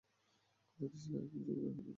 কথা দিচ্ছি লাশগুলো থেকে বের করে দেব।